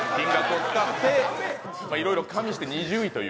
いろいろ加味して２０位という。